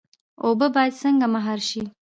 اوبه باید څنګه مهار شي؟